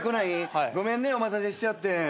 ごめんねお待たせしちゃって。